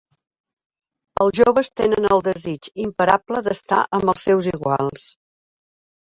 Els joves tenen el desig imparable d'estar amb els seus iguals.